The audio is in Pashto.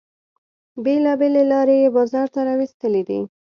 بیلابیلې لارې یې بازار ته را ویستلې دي.